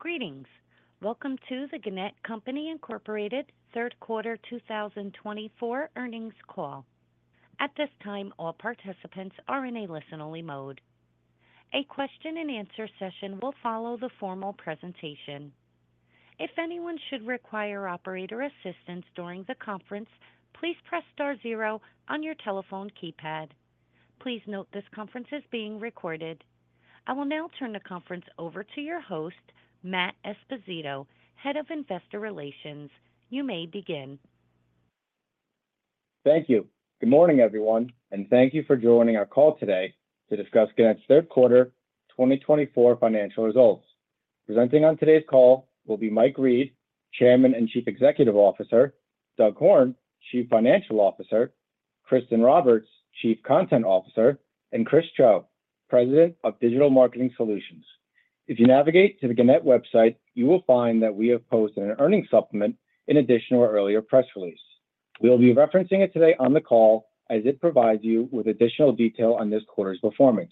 Greetings. Welcome to the Gannett Company Incorporated third quarter 2024 earnings call. At this time, all participants are in a listen-only mode. A question-and-answer session will follow the formal presentation. If anyone should require operator assistance during the conference, please press star zero on your telephone keypad. Please note this conference is being recorded. I will now turn the conference over to your host, Matt Esposito, Head of Investor Relations. You may begin. Thank you. Good morning, everyone, and thank you for joining our call today to discuss Gannett's third quarter 2024 financial results. Presenting on today's call will be Mike Reed, Chairman and Chief Executive Officer; Doug Horn, Chief Financial Officer; Kristin Roberts, Chief Content Officer; and Chris Cho, President of Digital Marketing Solutions. If you navigate to the Gannett website, you will find that we have posted an earnings supplement in addition to our earlier press release. We'll be referencing it today on the call as it provides you with additional detail on this quarter's performance.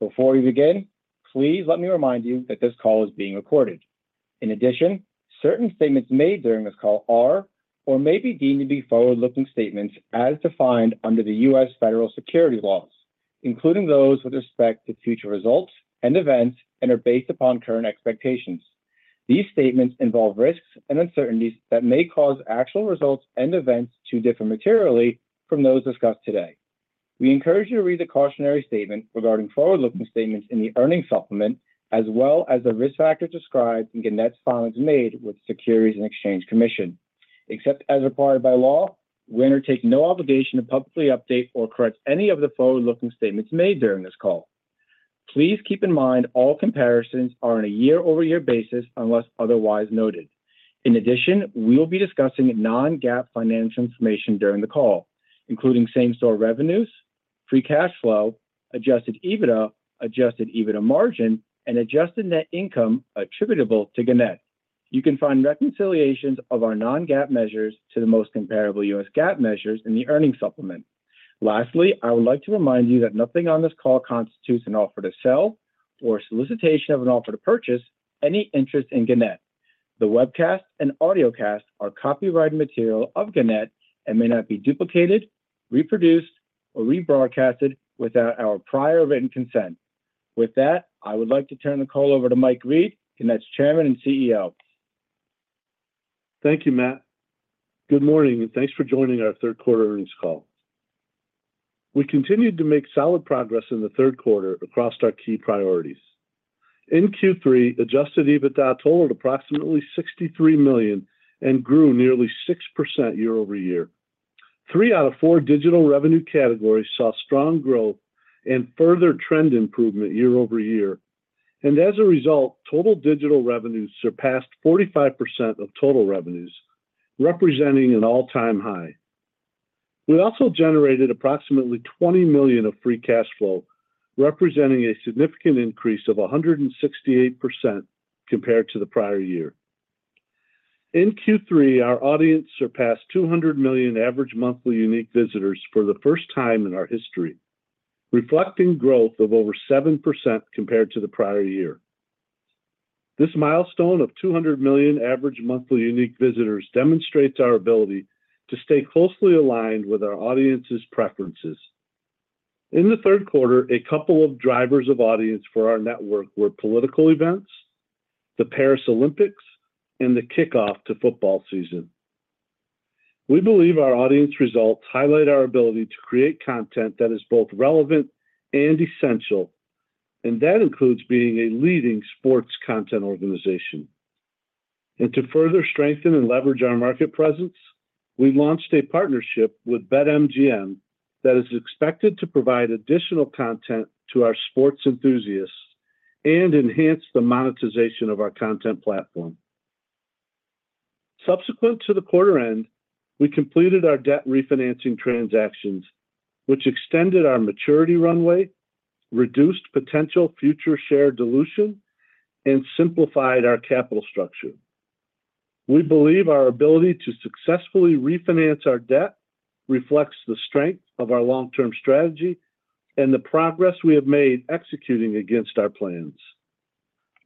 Before we begin, please let me remind you that this call is being recorded. In addition, certain statements made during this call are or may be deemed to be forward-looking statements as defined under the U.S. federal securities laws, including those with respect to future results and events and are based upon current expectations. These statements involve risks and uncertainties that may cause actual results and events to differ materially from those discussed today. We encourage you to read the cautionary statement regarding forward-looking statements in the earnings supplement, as well as the risk factors described in Gannett's filings made with the Securities and Exchange Commission. Except as required by law, we undertake no obligation to publicly update or correct any of the forward-looking statements made during this call. Please keep in mind all comparisons are on a year-over-year basis unless otherwise noted. In addition, we will be discussing non-GAAP financial information during the call, including same-store revenues, free cash flow, adjusted EBITDA, adjusted EBITDA margin, and adjusted net income attributable to Gannett. You can find reconciliations of our non-GAAP measures to the most comparable U.S. GAAP measures in the earnings supplement. Lastly, I would like to remind you that nothing on this call constitutes an offer to sell or a solicitation of an offer to purchase any interest in Gannett. The webcast and audiocast are copyrighted material of Gannett and may not be duplicated, reproduced, or rebroadcasted without our prior written consent. With that, I would like to turn the call over to Mike Reed, Gannett's Chairman and CEO. Thank you, Matt. Good morning, and thanks for joining our third quarter earnings call. We continued to make solid progress in the third quarter across our key priorities. In Q3, adjusted EBITDA totaled approximately $63 million and grew nearly 6% year-over-year. Three out of four digital revenue categories saw strong growth and further trend improvement year-over-year, and as a result, total digital revenues surpassed 45% of total revenues, representing an all-time high. We also generated approximately $20 million of free cash flow, representing a significant increase of 168% compared to the prior year. In Q3, our audience surpassed 200 million average monthly unique visitors for the first time in our history, reflecting growth of over 7% compared to the prior year. This milestone of 200 million average monthly unique visitors demonstrates our ability to stay closely aligned with our audience's preferences. In the third quarter, a couple of drivers of audience for our network were political events, the Paris Olympics, and the kickoff to football season. We believe our audience results highlight our ability to create content that is both relevant and essential, and that includes being a leading sports content organization. And to further strengthen and leverage our market presence, we launched a partnership with BetMGM that is expected to provide additional content to our sports enthusiasts and enhance the monetization of our content platform. Subsequent to the quarter end, we completed our debt refinancing transactions, which extended our maturity runway, reduced potential future share dilution, and simplified our capital structure. We believe our ability to successfully refinance our debt reflects the strength of our long-term strategy and the progress we have made executing against our plans,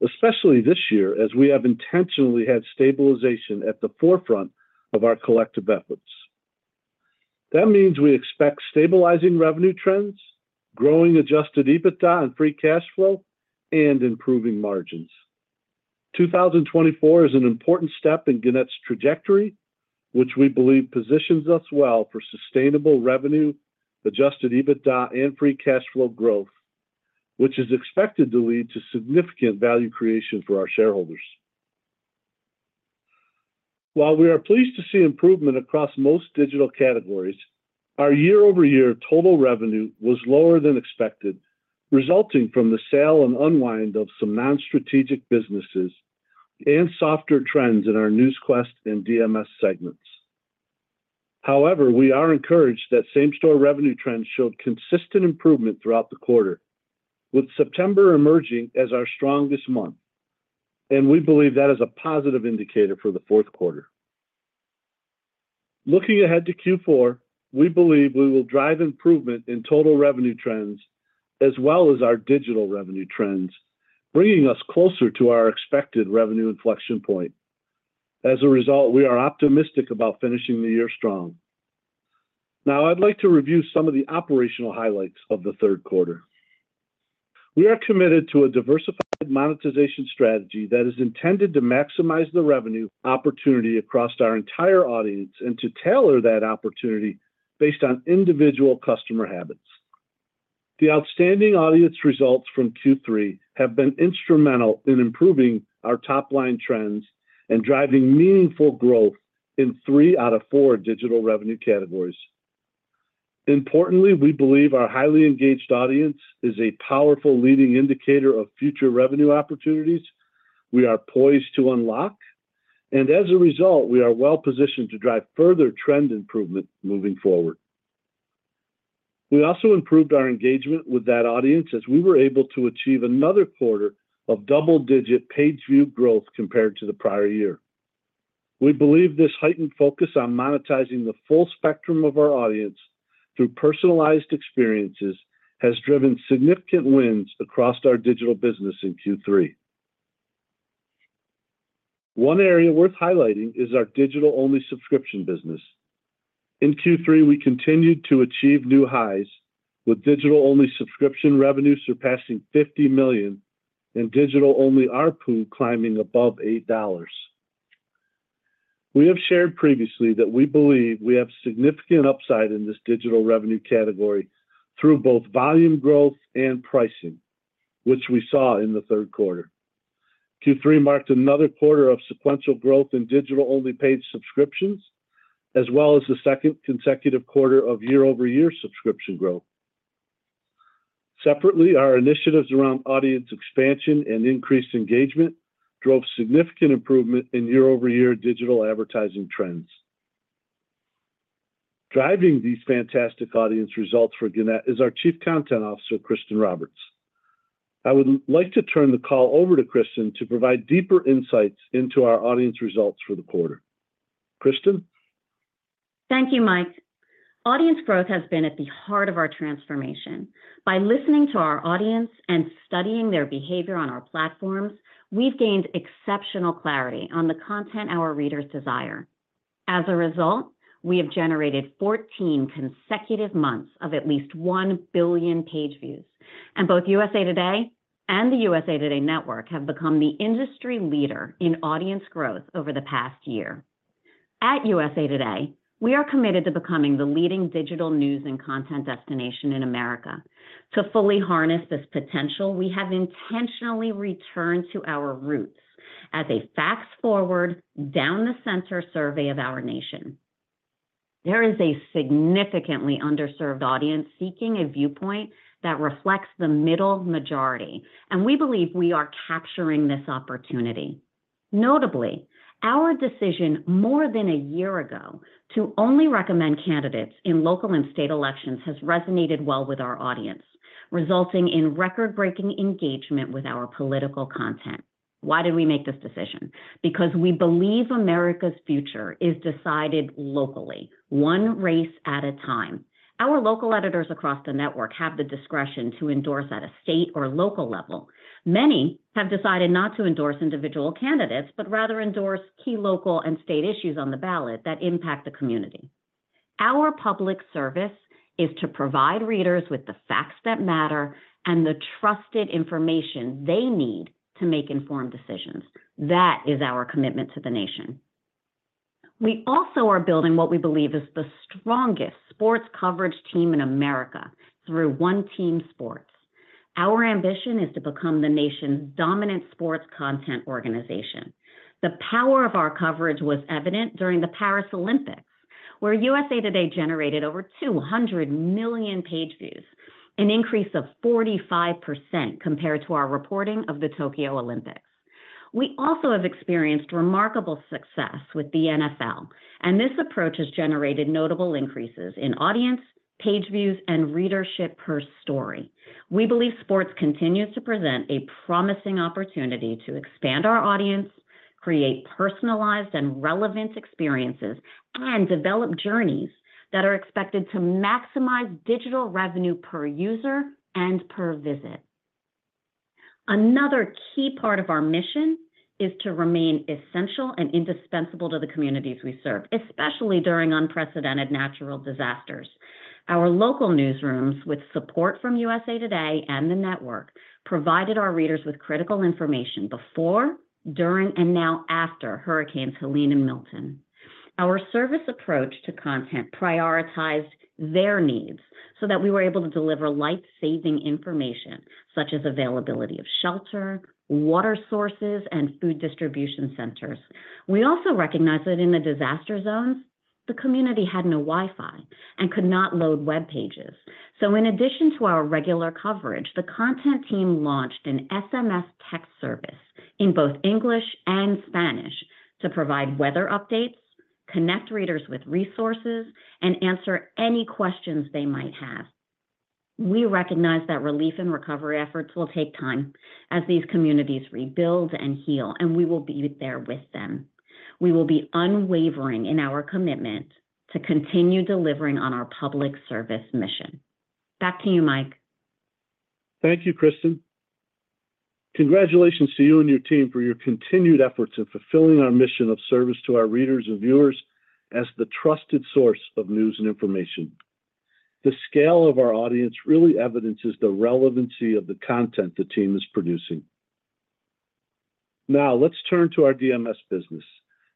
especially this year as we have intentionally had stabilization at the forefront of our collective efforts. That means we expect stabilizing revenue trends, growing adjusted EBITDA and free cash flow, and improving margins. 2024 is an important step in Gannett's trajectory, which we believe positions us well for sustainable revenue, adjusted EBITDA, and free cash flow growth, which is expected to lead to significant value creation for our shareholders. While we are pleased to see improvement across most digital categories, our year-over-year total revenue was lower than expected, resulting from the sale and unwind of some non-strategic businesses and softer trends in our Newsquest and DMS segments. However, we are encouraged that same-store revenue trends showed consistent improvement throughout the quarter, with September emerging as our strongest month, and we believe that is a positive indicator for the fourth quarter. Looking ahead to Q4, we believe we will drive improvement in total revenue trends as well as our digital revenue trends, bringing us closer to our expected revenue inflection point. As a result, we are optimistic about finishing the year strong. Now, I'd like to review some of the operational highlights of the third quarter. We are committed to a diversified monetization strategy that is intended to maximize the revenue opportunity across our entire audience and to tailor that opportunity based on individual customer habits. The outstanding audience results from Q3 have been instrumental in improving our top-line trends and driving meaningful growth in three out of four digital revenue categories. Importantly, we believe our highly engaged audience is a powerful leading indicator of future revenue opportunities we are poised to unlock, and as a result, we are well-positioned to drive further trend improvement moving forward. We also improved our engagement with that audience as we were able to achieve another quarter of double-digit page view growth compared to the prior year. We believe this heightened focus on monetizing the full spectrum of our audience through personalized experiences has driven significant wins across our digital business in Q3. One area worth highlighting is our digital-only subscription business. In Q3, we continued to achieve new highs, with digital-only subscription revenue surpassing $50 million and digital-only ARPU climbing above $8. We have shared previously that we believe we have significant upside in this digital revenue category through both volume growth and pricing, which we saw in the third quarter. Q3 marked another quarter of sequential growth in digital-only paid subscriptions, as well as the second consecutive quarter of year-over-year subscription growth. Separately, our initiatives around audience expansion and increased engagement drove significant improvement in year-over-year digital advertising trends. Driving these fantastic audience results for Gannett is our Chief Content Officer, Kristin Roberts. I would like to turn the call over to Kristin to provide deeper insights into our audience results for the quarter. Kristin? Thank you, Mike. Audience growth has been at the heart of our transformation. By listening to our audience and studying their behavior on our platforms, we've gained exceptional clarity on the content our readers desire. As a result, we have generated 14 consecutive months of at least one billion page views, and both USA TODAY and the USA TODAY Network have become the industry leader in audience growth over the past year. At USA TODAY, we are committed to becoming the leading digital news and content destination in America. To fully harness this potential, we have intentionally returned to our roots as a fast-forward, down-the-center survey of our nation. There is a significantly underserved audience seeking a viewpoint that reflects the middle majority, and we believe we are capturing this opportunity. Notably, our decision more than a year ago to only recommend candidates in local and state elections has resonated well with our audience, resulting in record-breaking engagement with our political content. Why did we make this decision? Because we believe America's future is decided locally, one race at a time. Our local editors across the network have the discretion to endorse at a state or local level. Many have decided not to endorse individual candidates but rather endorse key local and state issues on the ballot that impact the community. Our public service is to provide readers with the facts that matter and the trusted information they need to make informed decisions. That is our commitment to the nation. We also are building what we believe is the strongest sports coverage team in America through One Team Sports. Our ambition is to become the nation's dominant sports content organization. The power of our coverage was evident during the Paris Olympics, where USA TODAY generated over 200 million page views, an increase of 45% compared to our reporting of the Tokyo Olympics. We also have experienced remarkable success with the NFL, and this approach has generated notable increases in audience, page views, and readership per story. We believe sports continues to present a promising opportunity to expand our audience, create personalized and relevant experiences, and develop journeys that are expected to maximize digital revenue per user and per visit. Another key part of our mission is to remain essential and indispensable to the communities we serve, especially during unprecedented natural disasters. Our local newsrooms, with support from USA TODAY and the network, provided our readers with critical information before, during, and now after Hurricanes Helene and Milton. Our service approach to content prioritized their needs so that we were able to deliver life-saving information, such as availability of shelter, water sources, and food distribution centers. We also recognized that in the disaster zones, the community had no Wi-Fi and could not load web pages. So, in addition to our regular coverage, the content team launched an SMS text service in both English and Spanish to provide weather updates, connect readers with resources, and answer any questions they might have. We recognize that relief and recovery efforts will take time as these communities rebuild and heal, and we will be there with them. We will be unwavering in our commitment to continue delivering on our public service mission. Back to you, Mike. Thank you, Kristin. Congratulations to you and your team for your continued efforts in fulfilling our mission of service to our readers and viewers as the trusted source of news and information. The scale of our audience really evidences the relevancy of the content the team is producing. Now, let's turn to our DMS business,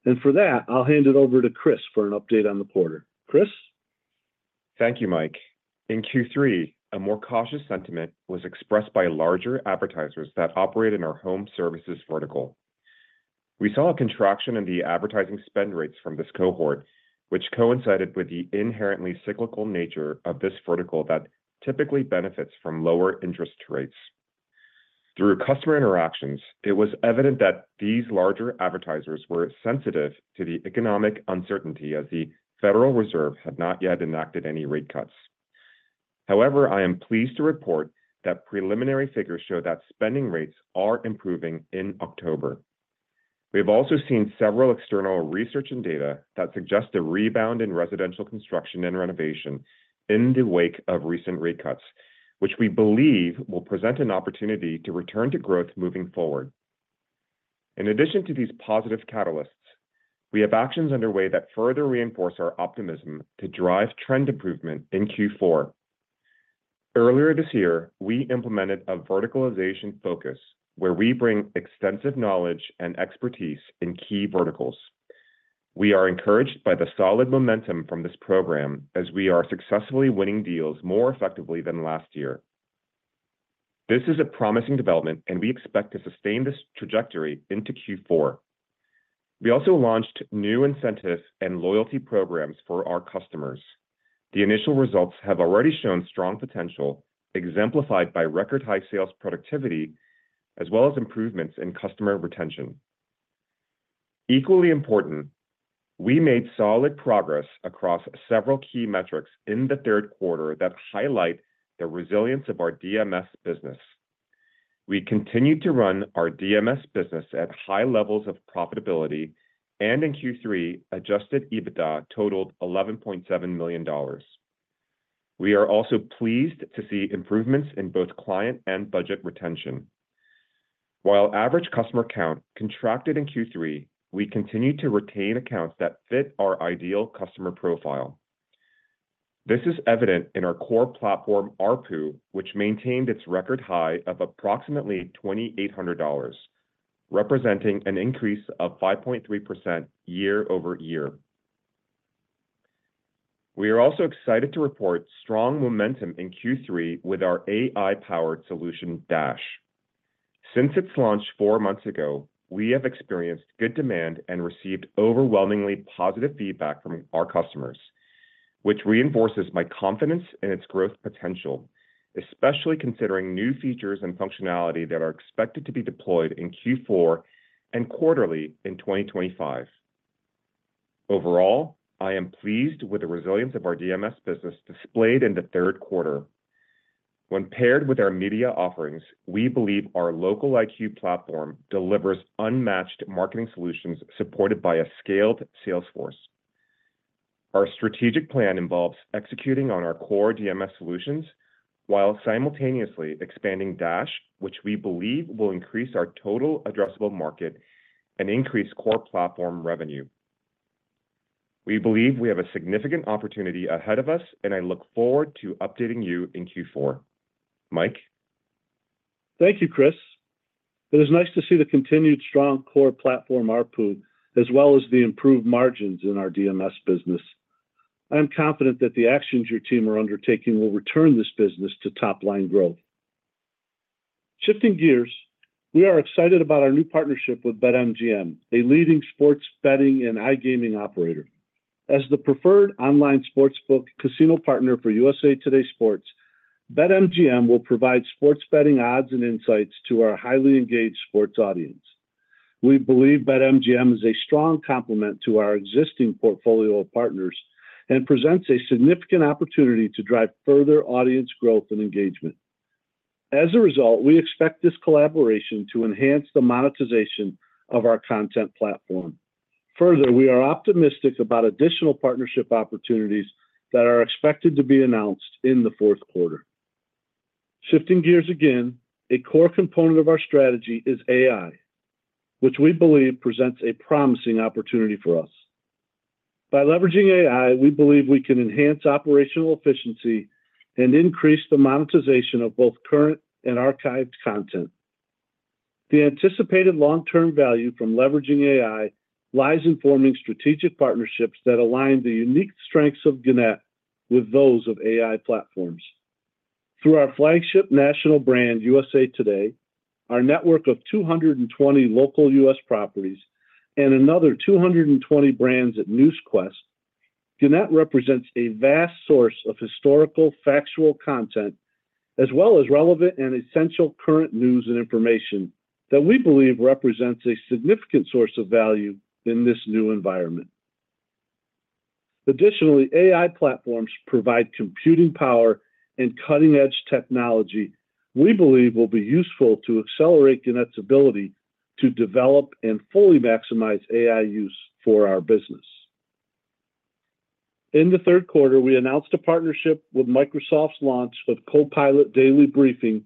and for that, I'll hand it over to Chris for an update on the quarter. Chris? Thank you, Mike. In Q3, a more cautious sentiment was expressed by larger advertisers that operate in our home services vertical. We saw a contraction in the advertising spend rates from this cohort, which coincided with the inherently cyclical nature of this vertical that typically benefits from lower interest rates. Through customer interactions, it was evident that these larger advertisers were sensitive to the economic uncertainty as the Federal Reserve had not yet enacted any rate cuts. However, I am pleased to report that preliminary figures show that spending rates are improving in October. We have also seen several external research and data that suggest a rebound in residential construction and renovation in the wake of recent rate cuts, which we believe will present an opportunity to return to growth moving forward. In addition to these positive catalysts, we have actions underway that further reinforce our optimism to drive trend improvement in Q4. Earlier this year, we implemented a verticalization focus where we bring extensive knowledge and expertise in key verticals. We are encouraged by the solid momentum from this program as we are successfully winning deals more effectively than last year. This is a promising development, and we expect to sustain this trajectory into Q4. We also launched new incentive and loyalty programs for our customers. The initial results have already shown strong potential, exemplified by record-high sales productivity as well as improvements in customer retention. Equally important, we made solid progress across several key metrics in the third quarter that highlight the resilience of our DMS business. We continued to run our DMS business at high levels of profitability, and in Q3, adjusted EBITDA totaled $11.7 million. We are also pleased to see improvements in both client and budget retention. While average customer count contracted in Q3, we continued to retain accounts that fit our ideal customer profile. This is evident in our core platform, ARPU, which maintained its record high of approximately $2,800, representing an increase of 5.3% year-over-year. We are also excited to report strong momentum in Q3 with our AI-powered solution, Dash. Since its launch four months ago, we have experienced good demand and received overwhelmingly positive feedback from our customers, which reinforces my confidence in its growth potential, especially considering new features and functionality that are expected to be deployed in Q4 and quarterly in 2025. Overall, I am pleased with the resilience of our DMS business displayed in the third quarter. When paired with our media offerings, we believe our LOCALiQ platform delivers unmatched marketing solutions supported by a scaled sales force. Our strategic plan involves executing on our core DMS solutions while simultaneously expanding Dash, which we believe will increase our total addressable market and increase core platform revenue. We believe we have a significant opportunity ahead of us, and I look forward to updating you in Q4. Mike. Thank you, Chris. It is nice to see the continued strong core platform, ARPU, as well as the improved margins in our DMS business. I am confident that the actions your team are undertaking will return this business to top-line growth. Shifting gears, we are excited about our new partnership with BetMGM, a leading sports betting and iGaming operator. As the preferred online sportsbook casino partner for USA TODAY Sports, BetMGM will provide sports betting odds and insights to our highly engaged sports audience. We believe BetMGM is a strong complement to our existing portfolio of partners and presents a significant opportunity to drive further audience growth and engagement. As a result, we expect this collaboration to enhance the monetization of our content platform. Further, we are optimistic about additional partnership opportunities that are expected to be announced in the fourth quarter. Shifting gears again, a core component of our strategy is AI, which we believe presents a promising opportunity for us. By leveraging AI, we believe we can enhance operational efficiency and increase the monetization of both current and archived content. The anticipated long-term value from leveraging AI lies in forming strategic partnerships that align the unique strengths of Gannett with those of AI platforms. Through our flagship national brand, USA TODAY, our network of 220 local U.S. properties, and another 220 brands at Newsquest, Gannett represents a vast source of historical factual content as well as relevant and essential current news and information that we believe represents a significant source of value in this new environment. Additionally, AI platforms provide computing power and cutting-edge technology we believe will be useful to accelerate Gannett's ability to develop and fully maximize AI use for our business. In the third quarter, we announced a partnership with Microsoft's launch of Copilot Daily briefing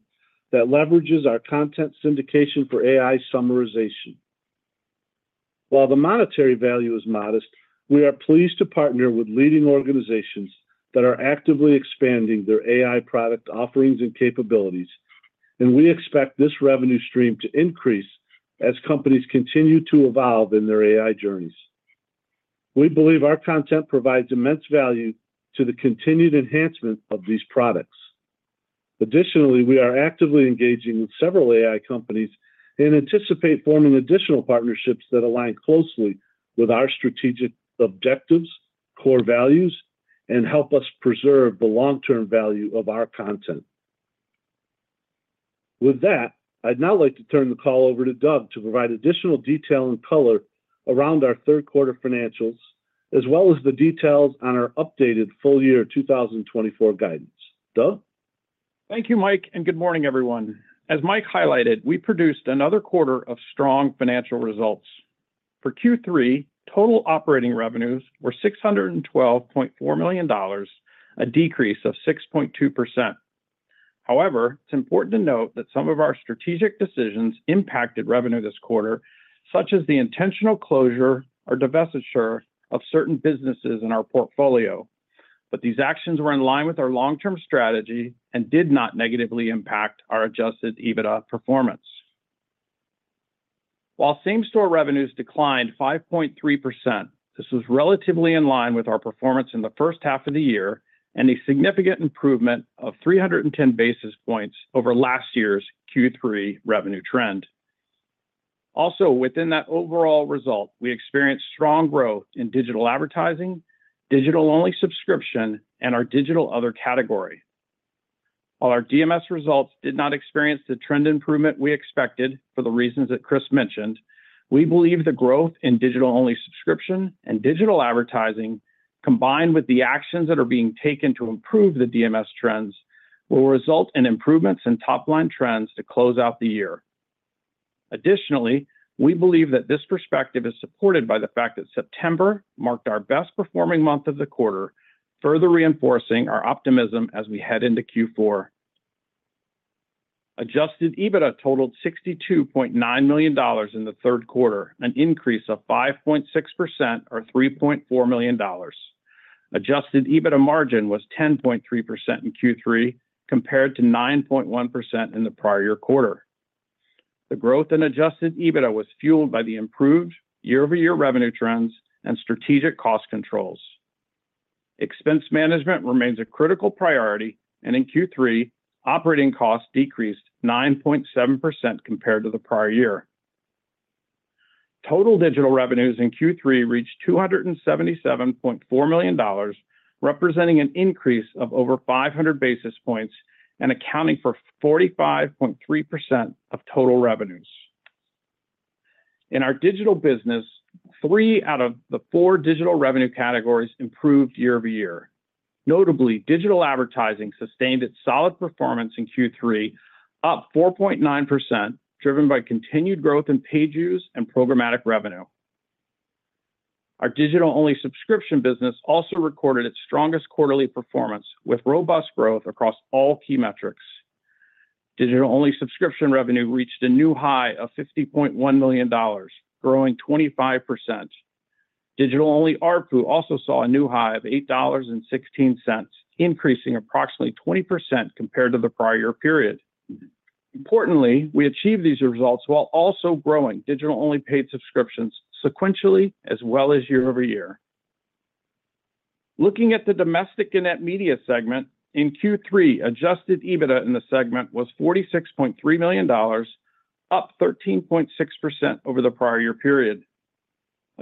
that leverages our content syndication for AI summarization. While the monetary value is modest, we are pleased to partner with leading organizations that are actively expanding their AI product offerings and capabilities, and we expect this revenue stream to increase as companies continue to evolve in their AI journeys. We believe our content provides immense value to the continued enhancement of these products. Additionally, we are actively engaging with several AI companies and anticipate forming additional partnerships that align closely with our strategic objectives, core values, and help us preserve the long-term value of our content. With that, I'd now like to turn the call over to Doug to provide additional detail and color around our third-quarter financials as well as the details on our updated full-year 2024 guidance. Doug? Thank you, Mike, and good morning, everyone. As Mike highlighted, we produced another quarter of strong financial results. For Q3, total operating revenues were $612.4 million, a decrease of 6.2%. However, it's important to note that some of our strategic decisions impacted revenue this quarter, such as the intentional closure or divestiture of certain businesses in our portfolio, but these actions were in line with our long-term strategy and did not negatively impact our adjusted EBITDA performance. While same-store revenues declined 5.3%, this was relatively in line with our performance in the first half of the year and a significant improvement of 310 basis points over last year's Q3 revenue trend. Also, within that overall result, we experienced strong growth in digital advertising, digital-only subscription, and our digital-other category. While our DMS results did not experience the trend improvement we expected for the reasons that Chris mentioned, we believe the growth in digital-only subscription and digital advertising, combined with the actions that are being taken to improve the DMS trends, will result in improvements in top-line trends to close out the year. Additionally, we believe that this perspective is supported by the fact that September marked our best-performing month of the quarter, further reinforcing our optimism as we head into Q4. Adjusted EBITDA totaled $62.9 million in the third quarter, an increase of 5.6% or $3.4 million. Adjusted EBITDA margin was 10.3% in Q3 compared to 9.1% in the prior year quarter. The growth in adjusted EBITDA was fueled by the improved year-over-year revenue trends and strategic cost controls. Expense management remains a critical priority, and in Q3, operating costs decreased 9.7% compared to the prior year. Total digital revenues in Q3 reached $277.4 million, representing an increase of over 500 basis points and accounting for 45.3% of total revenues. In our digital business, three out of the four digital revenue categories improved year-over-year. Notably, digital advertising sustained its solid performance in Q3, up 4.9%, driven by continued growth in page views and programmatic revenue. Our digital-only subscription business also recorded its strongest quarterly performance with robust growth across all key metrics. Digital-only subscription revenue reached a new high of $50.1 million, growing 25%. Digital-only ARPU also saw a new high of $8.16, increasing approximately 20% compared to the prior year period. Importantly, we achieved these results while also growing digital-only paid subscriptions sequentially as well as year-over-year. Looking at the domestic Gannett media segment, in Q3, adjusted EBITDA in the segment was $46.3 million, up 13.6% over the prior year period.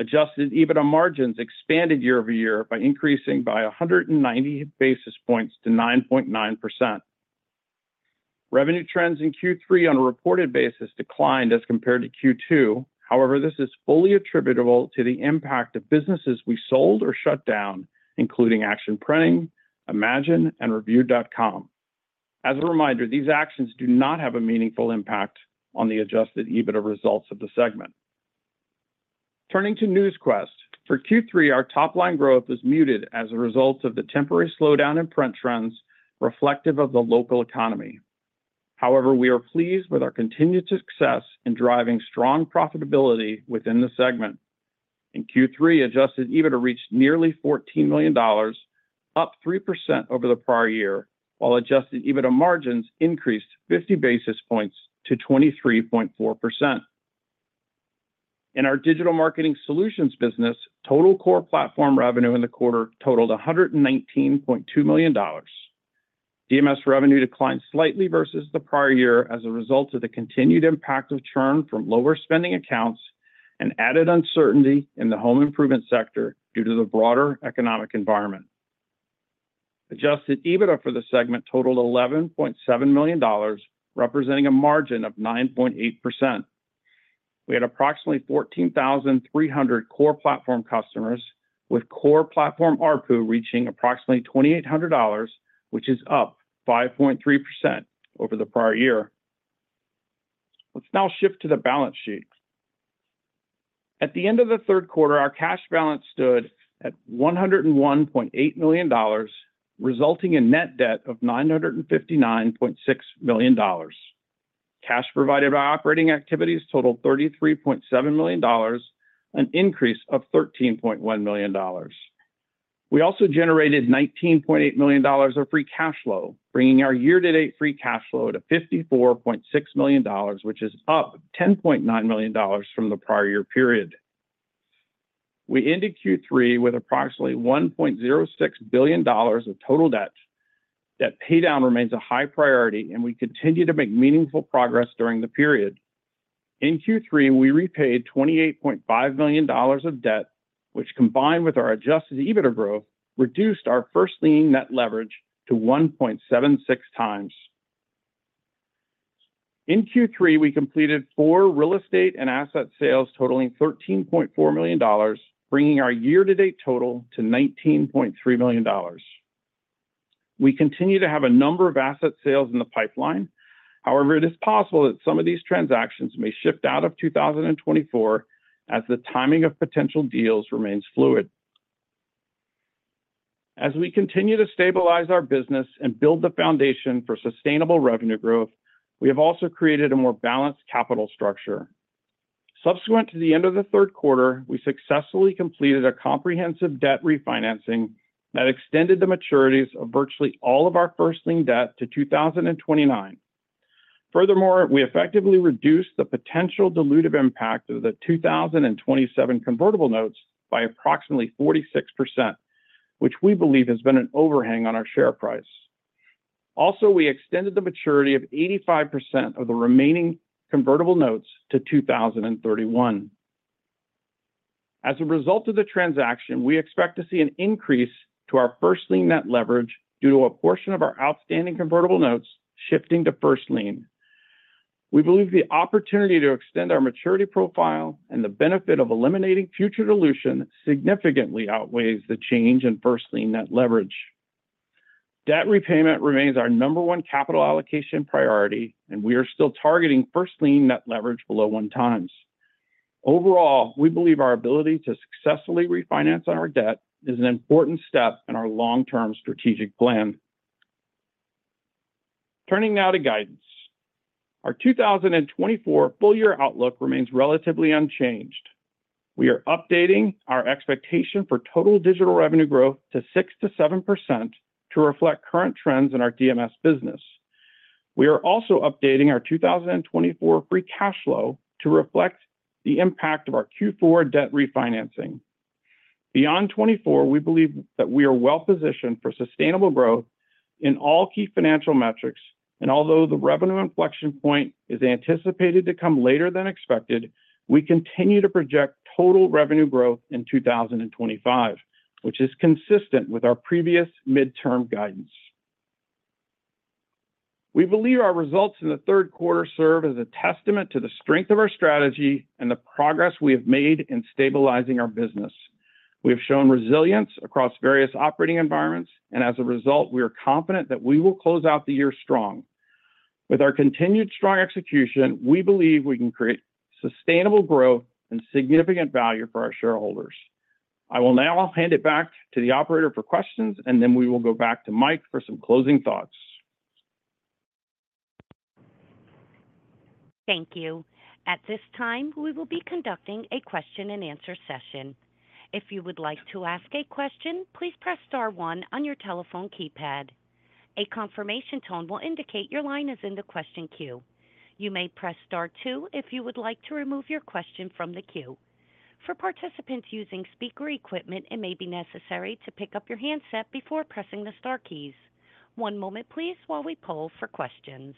Adjusted EBITDA margins expanded year-over-year by increasing by 190 basis points to 9.9%. Revenue trends in Q3 on a reported basis declined as compared to Q2. However, this is fully attributable to the impact of businesses we sold or shut down, including Action Printing, Imagine, and Reviewed.com. As a reminder, these actions do not have a meaningful impact on the adjusted EBITDA results of the segment. Turning to Newsquest, for Q3, our top-line growth was muted as a result of the temporary slowdown in print trends reflective of the local economy. However, we are pleased with our continued success in driving strong profitability within the segment. In Q3, adjusted EBITDA reached nearly $14 million, up 3% over the prior year, while adjusted EBITDA margins increased 50 basis points to 23.4%. In our digital marketing solutions business, total core platform revenue in the quarter totaled $119.2 million. DMS revenue declined slightly versus the prior year as a result of the continued impact of churn from lower spending accounts and added uncertainty in the home improvement sector due to the broader economic environment. Adjusted EBITDA for the segment totaled $11.7 million, representing a margin of 9.8%. We had approximately 14,300 core platform customers, with core platform ARPU reaching approximately $2,800, which is up 5.3% over the prior year. Let's now shift to the balance sheet. At the end of the third quarter, our cash balance stood at $101.8 million, resulting in net debt of $959.6 million. Cash provided by operating activities totaled $33.7 million, an increase of $13.1 million. We also generated $19.8 million of free cash flow, bringing our year-to-date free cash flow to $54.6 million, which is up $10.9 million from the prior year period. We ended Q3 with approximately $1.06 billion of total debt. Debt paydown remains a high priority, and we continue to make meaningful progress during the period. In Q3, we repaid $28.5 million of debt, which, combined with our adjusted EBITDA growth, reduced our first-lien net leverage to 1.76x. In Q3, we completed four real estate and asset sales totaling $13.4 million, bringing our year-to-date total to $19.3 million. We continue to have a number of asset sales in the pipeline. However, it is possible that some of these transactions may shift out of 2024 as the timing of potential deals remains fluid. As we continue to stabilize our business and build the foundation for sustainable revenue growth, we have also created a more balanced capital structure. Subsequent to the end of the third quarter, we successfully completed a comprehensive debt refinancing that extended the maturities of virtually all of our first-lien debt to 2029. Furthermore, we effectively reduced the potential dilutive impact of the 2027 convertible notes by approximately 46%, which we believe has been an overhang on our share price. Also, we extended the maturity of 85% of the remaining convertible notes to 2031. As a result of the transaction, we expect to see an increase to our first-lien net leverage due to a portion of our outstanding convertible notes shifting to first-lien. We believe the opportunity to extend our maturity profile and the benefit of eliminating future dilution significantly outweighs the change in first-lien net leverage. Debt repayment remains our number one capital allocation priority, and we are still targeting first-lien net leverage below one times. Overall, we believe our ability to successfully refinance on our debt is an important step in our long-term strategic plan. Turning now to guidance. Our 2024 full-year outlook remains relatively unchanged. We are updating our expectation for total digital revenue growth to 6%-7% to reflect current trends in our DMS business. We are also updating our 2024 free cash flow to reflect the impact of our Q4 debt refinancing. Beyond 2024, we believe that we are well-positioned for sustainable growth in all key financial metrics, and although the revenue inflection point is anticipated to come later than expected, we continue to project total revenue growth in 2025, which is consistent with our previous midterm guidance. We believe our results in the third quarter serve as a testament to the strength of our strategy and the progress we have made in stabilizing our business. We have shown resilience across various operating environments, and as a result, we are confident that we will close out the year strong. With our continued strong execution, we believe we can create sustainable growth and significant value for our shareholders. I will now hand it back to the operator for questions, and then we will go back to Mike for some closing thoughts. Thank you. At this time, we will be conducting a question-and-answer session. If you would like to ask a question, please press star one on your telephone keypad. A confirmation tone will indicate your line is in the question queue. You may press star two if you would like to remove your question from the queue. For participants using speaker equipment, it may be necessary to pick up your handset before pressing the star keys. One moment, please, while we poll for questions.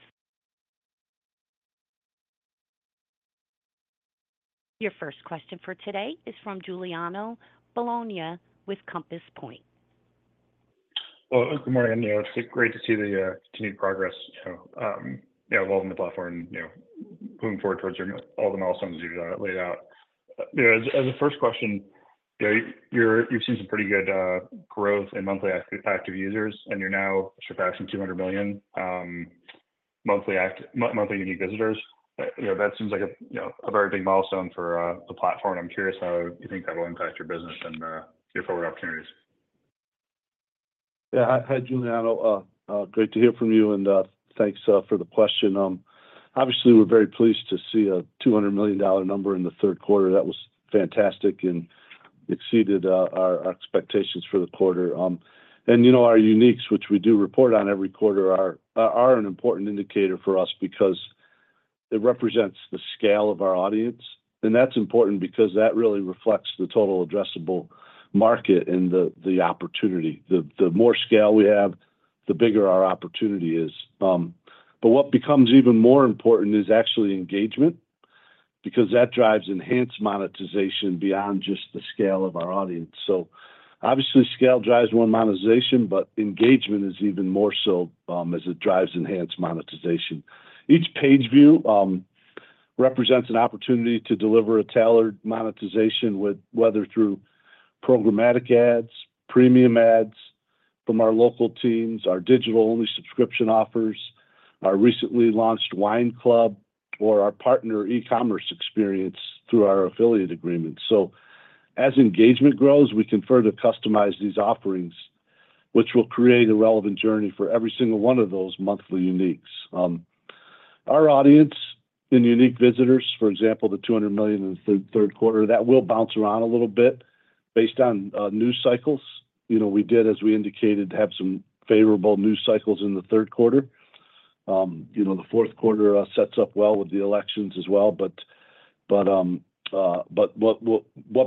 Your first question for today is from Giuliano Bologna with Compass Point. Well, good morning. It's great to see the continued progress involved in the platform and moving forward towards all the milestones you've laid out. As a first question, you've seen some pretty good growth in monthly active users, and you're now surpassing 200 million monthly unique visitors. That seems like a very big milestone for the platform. I'm curious how you think that will impact your business and your forward opportunities. Yeah. Hi, Giuliano. Great to hear from you, and thanks for the question. Obviously, we're very pleased to see a $200 million number in the third quarter. That was fantastic and exceeded our expectations for the quarter, and our uniques, which we do report on every quarter, are an important indicator for us because it represents the scale of our audience, and that's important because that really reflects the total addressable market and the opportunity. The more scale we have, the bigger our opportunity is, but what becomes even more important is actually engagement because that drives enhanced monetization beyond just the scale of our audience, so obviously, scale drives more monetization, but engagement is even more so as it drives enhanced monetization. Each page view represents an opportunity to deliver a tailored monetization, whether through programmatic ads, premium ads from our local teams, our digital-only subscription offers, our recently launched wine club, or our partner e-commerce experience through our affiliate agreements. So as engagement grows, we can further customize these offerings, which will create a relevant journey for every single one of those monthly uniques. Our audience and unique visitors, for example, the 200 million in the third quarter, that will bounce around a little bit based on news cycles. We did, as we indicated, have some favorable news cycles in the third quarter. The fourth quarter sets up well with the elections as well. But what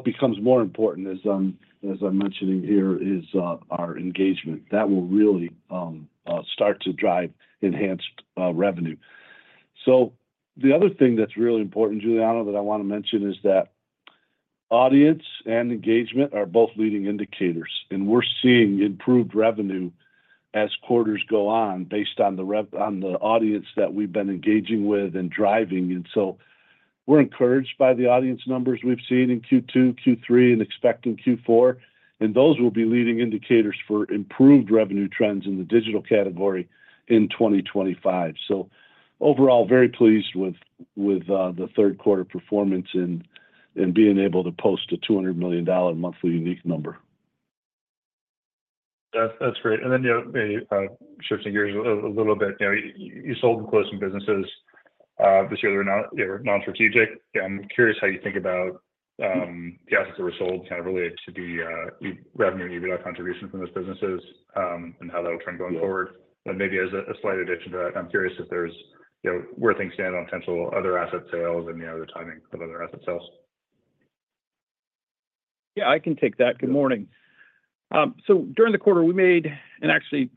becomes more important, as I'm mentioning here, is our engagement. That will really start to drive enhanced revenue. So the other thing that's really important, Giuliano, that I want to mention is that audience and engagement are both leading indicators. And we're seeing improved revenue as quarters go on based on the audience that we've been engaging with and driving. And so we're encouraged by the audience numbers we've seen in Q2, Q3, and expecting Q4. And those will be leading indicators for improved revenue trends in the digital category in 2025. So overall, very pleased with the third quarter performance and being able to post a 200 million monthly unique number. That's great. And then shifting gears a little bit, you sold or closed some businesses this year that are non-strategic. I'm curious how you think about the assets that were sold kind of related to the revenue and EBITDA contribution from those businesses and how that will trend going forward. And maybe as a slight addition to that, I'm curious where things stand on potential other asset sales and the timing of other asset sales. Yeah, I can take that. Good morning. So during the quarter, we made, and actually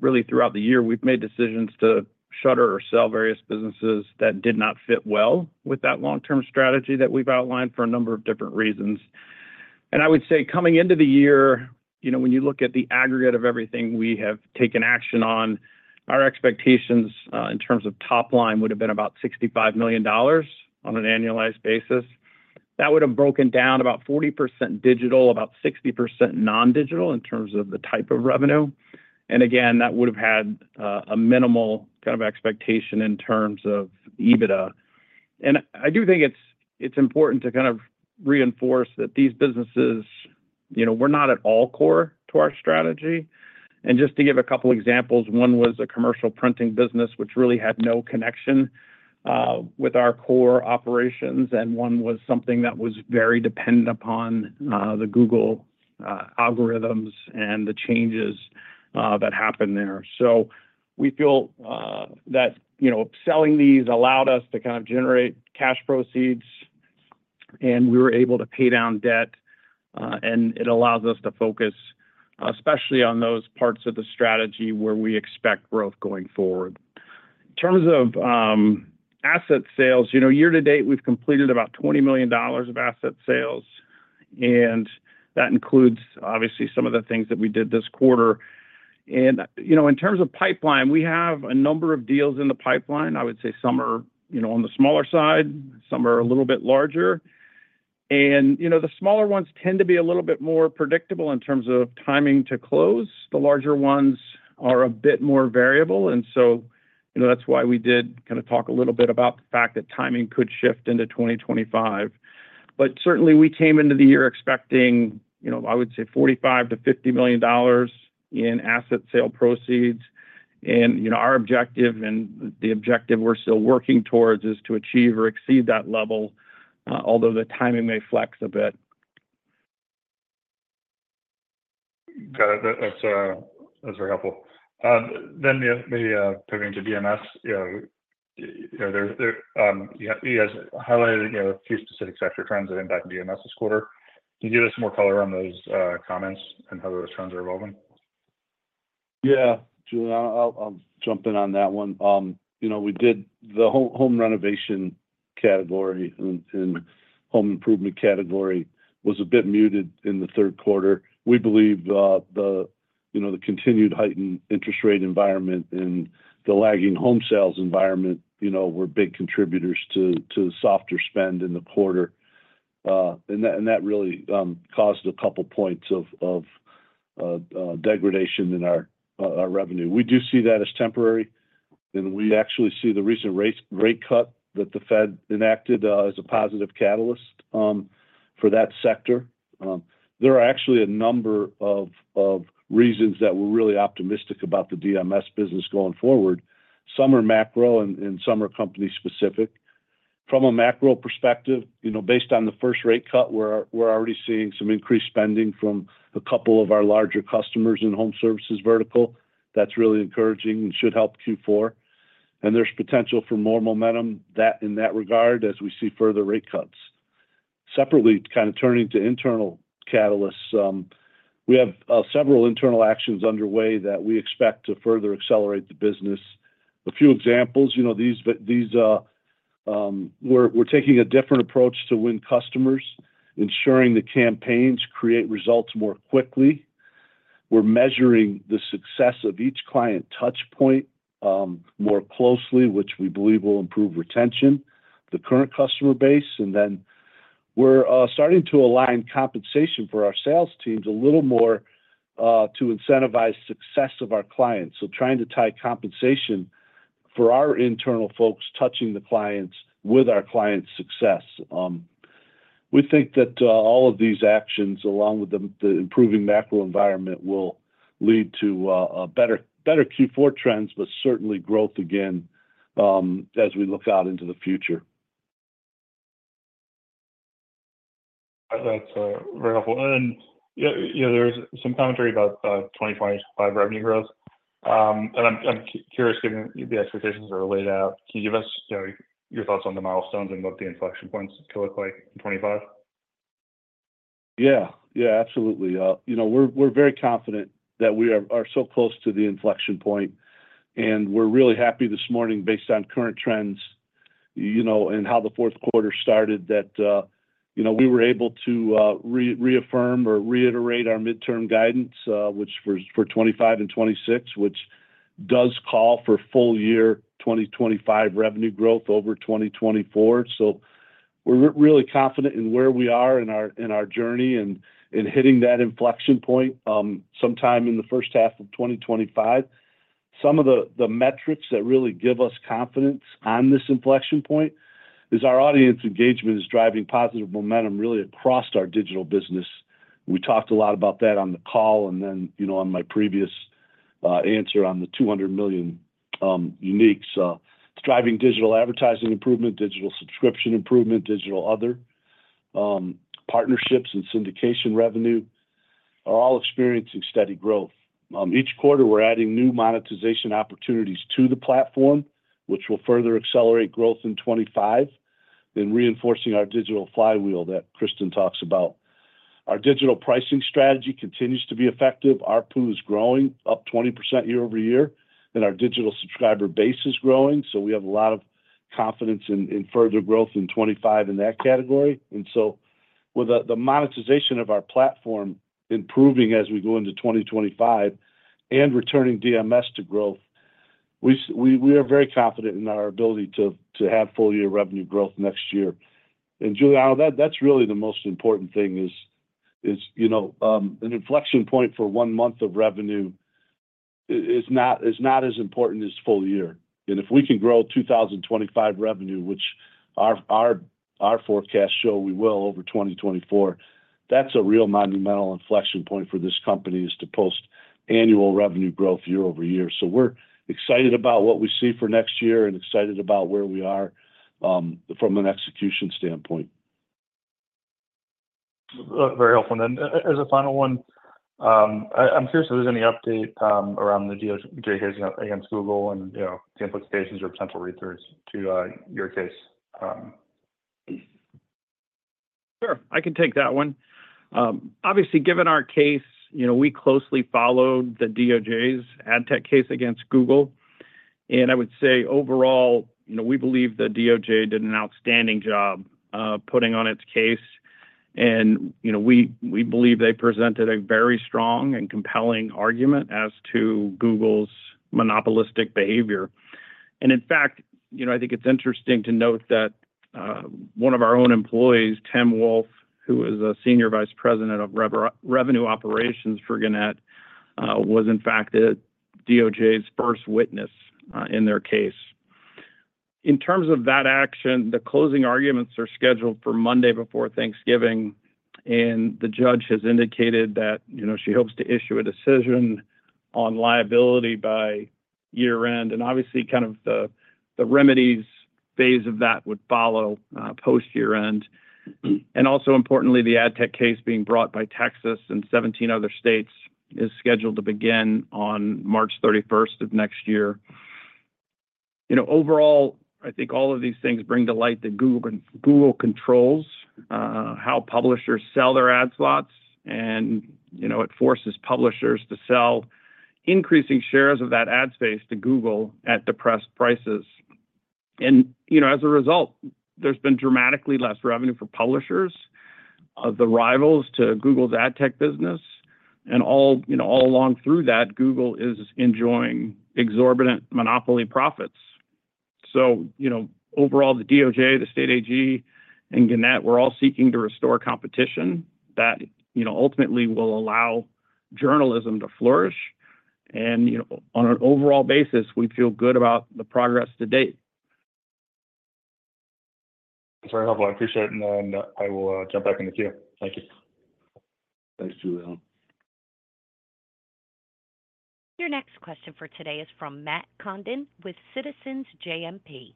really throughout the year, we've made decisions to shutter or sell various businesses that did not fit well with that long-term strategy that we've outlined for a number of different reasons. And I would say coming into the year, when you look at the aggregate of everything we have taken action on, our expectations in terms of top line would have been about $65 million on an annualized basis. That would have broken down about 40% digital, about 60% non-digital in terms of the type of revenue. And again, that would have had a minimal kind of expectation in terms of EBITDA. And I do think it's important to kind of reinforce that these businesses, we're not at all core to our strategy. And just to give a couple of examples, one was a commercial printing business, which really had no connection with our core operations, and one was something that was very dependent upon the Google algorithms and the changes that happened there. So we feel that selling these allowed us to kind of generate cash proceeds, and we were able to pay down debt, and it allows us to focus especially on those parts of the strategy where we expect growth going forward. In terms of asset sales, year to date, we've completed about $20 million of asset sales, and that includes, obviously, some of the things that we did this quarter. And in terms of pipeline, we have a number of deals in the pipeline. I would say some are on the smaller side, some are a little bit larger. And the smaller ones tend to be a little bit more predictable in terms of timing to close. The larger ones are a bit more variable. And so that's why we did kind of talk a little bit about the fact that timing could shift into 2025. But certainly, we came into the year expecting, I would say, $45-$50 million in asset sale proceeds. And our objective and the objective we're still working towards is to achieve or exceed that level, although the timing may flex a bit. Got it. That's very helpful. Then maybe pivoting to DMS, you guys highlighted a few specific sector trends that impact DMS this quarter. Can you give us more color on those comments and how those trends are evolving? Yeah, Giuliano, I'll jump in on that one. The home renovation category and home improvement category was a bit muted in the third quarter. We believe the continued heightened interest rate environment and the lagging home sales environment were big contributors to the softer spend in the quarter. And that really caused a couple points of degradation in our revenue. We do see that as temporary, and we actually see the recent rate cut that the Fed enacted as a positive catalyst for that sector. There are actually a number of reasons that we're really optimistic about the DMS business going forward. Some are macro, and some are company-specific. From a macro perspective, based on the first rate cut, we're already seeing some increased spending from a couple of our larger customers in home services vertical. That's really encouraging and should help Q4. And there's potential for more momentum in that regard as we see further rate cuts. Separately, kind of turning to internal catalysts, we have several internal actions underway that we expect to further accelerate the business. A few examples, we're taking a different approach to win customers, ensuring the campaigns create results more quickly. We're measuring the success of each client touchpoint more closely, which we believe will improve retention, the current customer base. And then we're starting to align compensation for our sales teams a little more to incentivize success of our clients. So trying to tie compensation for our internal folks touching the clients with our client success. We think that all of these actions, along with the improving macro environment, will lead to better Q4 trends, but certainly growth again as we look out into the future. That's very helpful. And there's some commentary about 2025 revenue growth. And I'm curious given the expectations that are laid out, can you give us your thoughts on the milestones and what the inflection points could look like in 2025? Yeah. Yeah, absolutely. We're very confident that we are so close to the inflection point, and we're really happy this morning based on current trends and how the fourth quarter started that we were able to reaffirm or reiterate our midterm guidance for 2025 and 2026, which does call for full-year 2025 revenue growth over 2024, so we're really confident in where we are in our journey and hitting that inflection point sometime in the first half of 2025. Some of the metrics that really give us confidence on this inflection point is our audience engagement is driving positive momentum really across our digital business. We talked a lot about that on the call and then on my previous answer on the 200 million uniques. It's driving digital advertising improvement, digital subscription improvement, digital other partnerships, and syndication revenue are all experiencing steady growth. Each quarter, we're adding new monetization opportunities to the platform, which will further accelerate growth in 2025 and reinforcing our digital flywheel that Kristin talks about. Our digital pricing strategy continues to be effective. Our pool is growing, up 20% year-over-year, and our digital subscriber base is growing. So we have a lot of confidence in further growth in 2025 in that category. And so with the monetization of our platform improving as we go into 2025 and returning DMS to growth, we are very confident in our ability to have full-year revenue growth next year. And Giuliano, that's really the most important thing is an inflection point for one month of revenue is not as important as full year. If we can grow 2025 revenue, which our forecasts show we will over 2024, that's a real monumental inflection point for this company, is to post annual revenue growth year-over-year. We're excited about what we see for next year and excited about where we are from an execution standpoint. Very helpful. And as a final one, I'm curious if there's any update around the DOJ case against Google and the implications or potential read-throughs to your case? Sure. I can take that one. Obviously, given our case, we closely followed the DOJ's ad tech case against Google. And I would say overall, we believe the DOJ did an outstanding job putting on its case. And we believe they presented a very strong and compelling argument as to Google's monopolistic behavior. And in fact, I think it's interesting to note that one of our own employees, Tim Wolfe, who is a Senior Vice President of Revenue Operations for Gannett, was in fact the DOJ's first witness in their case. In terms of that action, the closing arguments are scheduled for Monday before Thanksgiving. And the judge has indicated that she hopes to issue a decision on liability by year-end. And obviously, kind of the remedies phase of that would follow post-year-end. And also importantly, the ad tech case being brought by Texas and 17 other states is scheduled to begin on March 31st of next year. Overall, I think all of these things bring to light that Google controls how publishers sell their ad slots, and it forces publishers to sell increasing shares of that ad space to Google at depressed prices. And as a result, there's been dramatically less revenue for publishers of the rivals to Google's ad tech business. And all along through that, Google is enjoying exorbitant monopoly profits. So overall, the DOJ, the state AG, and Gannett were all seeking to restore competition that ultimately will allow journalism to flourish. And on an overall basis, we feel good about the progress to date. That's very helpful. I appreciate it, and then I will jump back into Q. Thank you. Thanks, Giuliano. Your next question for today is from Matt Condon with Citizens JMP.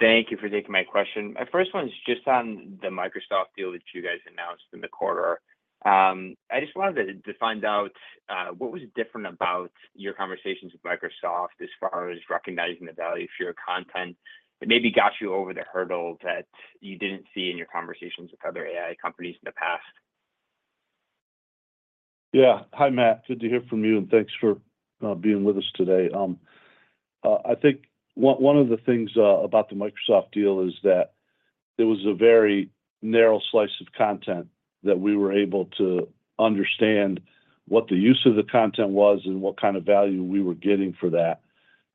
Thank you for taking my question. My first one is just on the Microsoft deal that you guys announced in the quarter. I just wanted to find out what was different about your conversations with Microsoft as far as recognizing the value for your content that maybe got you over the hurdle that you didn't see in your conversations with other AI companies in the past. Yeah. Hi, Matt. Good to hear from you, and thanks for being with us today. I think one of the things about the Microsoft deal is that it was a very narrow slice of content that we were able to understand what the use of the content was and what kind of value we were getting for that.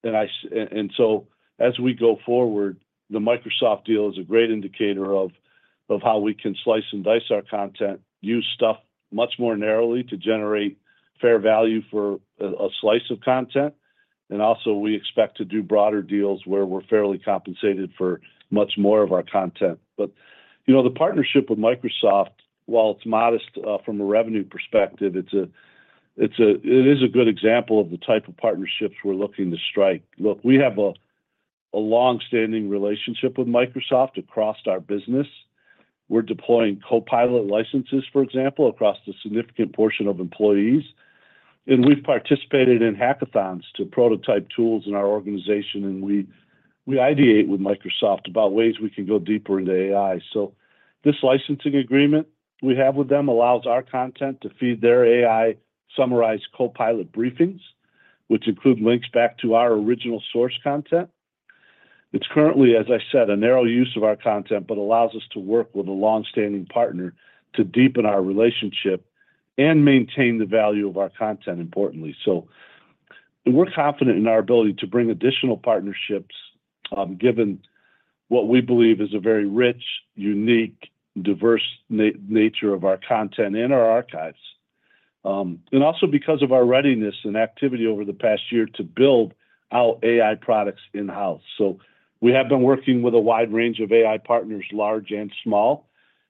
And so as we go forward, the Microsoft deal is a great indicator of how we can slice and dice our content, use stuff much more narrowly to generate fair value for a slice of content. And also, we expect to do broader deals where we're fairly compensated for much more of our content. But the partnership with Microsoft, while it's modest from a revenue perspective, it is a good example of the type of partnerships we're looking to strike. Look, we have a long-standing relationship with Microsoft across our business. We're deploying Copilot licenses, for example, across a significant portion of employees, and we've participated in hackathons to prototype tools in our organization, and we ideate with Microsoft about ways we can go deeper into AI, so this licensing agreement we have with them allows our content to feed their AI-summarized Copilot briefings, which include links back to our original source content. It's currently, as I said, a narrow use of our content, but allows us to work with a long-standing partner to deepen our relationship and maintain the value of our content importantly, so we're confident in our ability to bring additional partnerships given what we believe is a very rich, unique, diverse nature of our content and our archives, and also because of our readiness and activity over the past year to build our AI products in-house. So we have been working with a wide range of AI partners, large and small,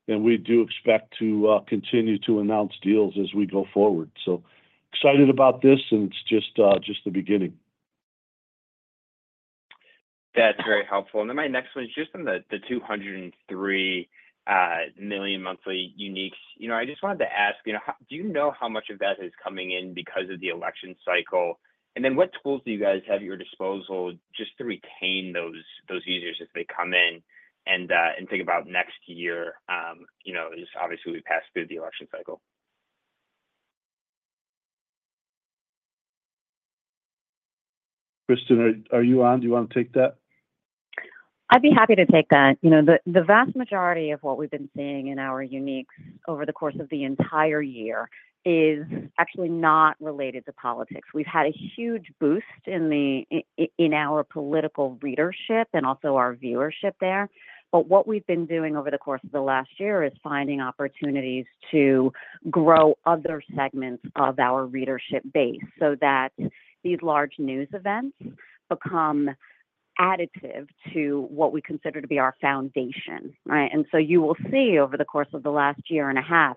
and we do expect to continue to announce deals as we go forward. So excited about this, and it's just the beginning. That's very helpful. And then my next one is just on the 203 million monthly uniques. I just wanted to ask, do you know how much of that is coming in because of the election cycle? And then what tools do you guys have at your disposal just to retain those users as they come in and think about next year? Obviously, we pass through the election cycle. Kristin, are you on? Do you want to take that? I'd be happy to take that. The vast majority of what we've been seeing in our uniques over the course of the entire year is actually not related to politics. We've had a huge boost in our political readership and also our viewership there. But what we've been doing over the course of the last year is finding opportunities to grow other segments of our readership base so that these large news events become additive to what we consider to be our foundation. And so you will see over the course of the last year and a half,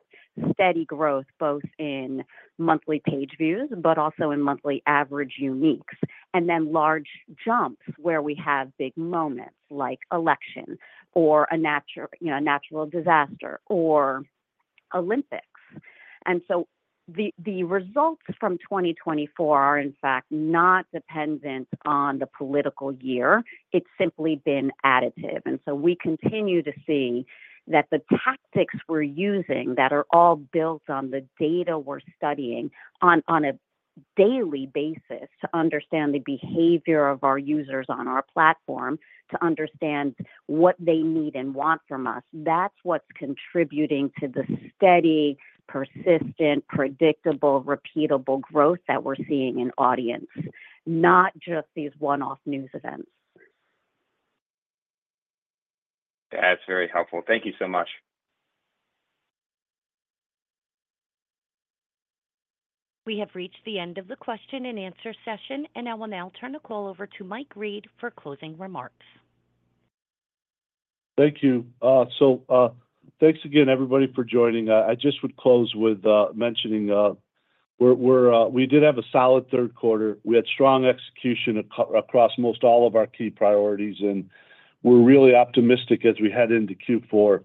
steady growth both in monthly page views, but also in monthly average uniques, and then large jumps where we have big moments like election or a natural disaster or Olympics. And so the results from 2024 are, in fact, not dependent on the political year. It's simply been additive. And so we continue to see that the tactics we're using that are all built on the data we're studying on a daily basis to understand the behavior of our users on our platform, to understand what they need and want from us, that's what's contributing to the steady, persistent, predictable, repeatable growth that we're seeing in audience, not just these one-off news events. That's very helpful. Thank you so much. We have reached the end of the question and answer session, and I will now turn the call over to Mike Reed for closing remarks. Thank you. So thanks again, everybody, for joining. I just would close with mentioning we did have a solid third quarter. We had strong execution across most all of our key priorities, and we're really optimistic as we head into Q4.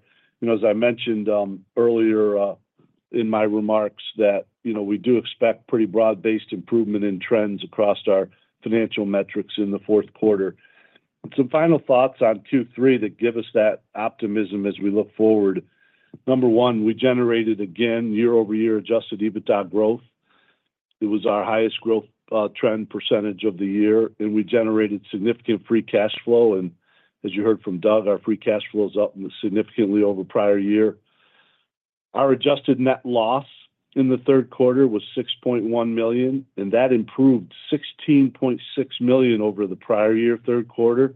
As I mentioned earlier in my remarks that we do expect pretty broad-based improvement in trends across our financial metrics in the fourth quarter. Some final thoughts on Q3 that give us that optimism as we look forward. Number one, we generated, again, year-over-year adjusted EBITDA growth. It was our highest growth trend percentage of the year, and we generated significant free cash flow. And as you heard from Doug, our free cash flow is up significantly over prior year. Our adjusted net loss in the third quarter was $6.1 million, and that improved $16.6 million over the prior year third quarter.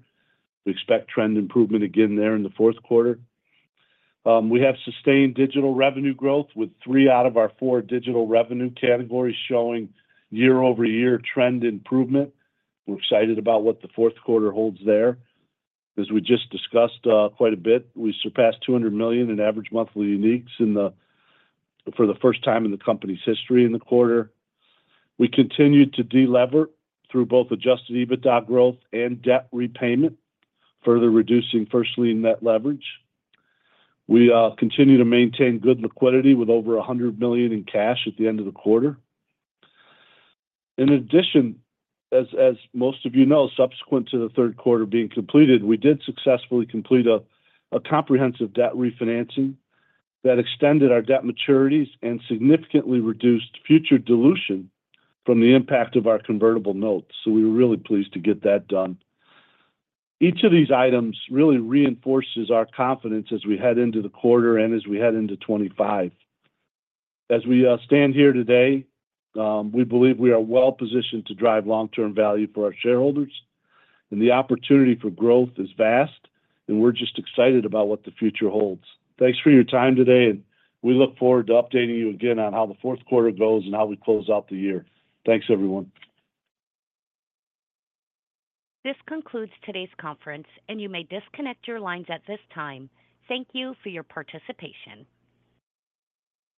We expect trend improvement again there in the fourth quarter. We have sustained digital revenue growth with three out of our four digital revenue categories showing year-over-year trend improvement. We're excited about what the fourth quarter holds there. As we just discussed quite a bit, we surpassed 200 million in average monthly uniques for the first time in the company's history in the quarter. We continue to delever through both adjusted EBITDA growth and debt repayment, further reducing first-lien net leverage. We continue to maintain good liquidity with over $100 million in cash at the end of the quarter. In addition, as most of you know, subsequent to the third quarter being completed, we did successfully complete a comprehensive debt refinancing that extended our debt maturities and significantly reduced future dilution from the impact of our convertible notes. So we were really pleased to get that done. Each of these items really reinforces our confidence as we head into the quarter and as we head into 2025. As we stand here today, we believe we are well-positioned to drive long-term value for our shareholders, and the opportunity for growth is vast, and we're just excited about what the future holds. Thanks for your time today, and we look forward to updating you again on how the fourth quarter goes and how we close out the year. Thanks, everyone. This concludes today's conference, and you may disconnect your lines at this time. Thank you for your participation.